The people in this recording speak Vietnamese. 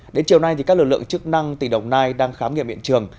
đến chiều nay các lực lượng chức năng tỉ đồng nai đang khám nghiệm hiện trường